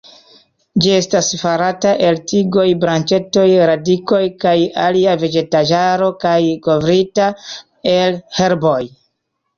Ĝi estas farata el tigoj, branĉetoj, radikoj kaj alia vegetaĵaro kaj kovrita el herboj.